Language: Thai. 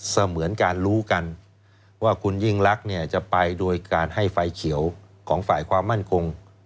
เหมือนการรู้กันว่าคุณยิ่งรักเนี่ยจะไปโดยการให้ไฟเขียวของฝ่ายความมั่นคง